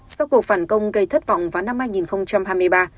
sau cuộc phản công gây thất vọng vào năm hai nghìn hai mươi ba